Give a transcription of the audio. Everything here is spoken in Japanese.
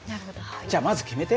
じゃあまず決めて。